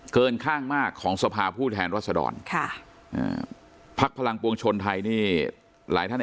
เกินข้างมากของสภาพูดแทนวัสดรพักภักดิ์พลังปวงชนไทยนี่หลายท่าน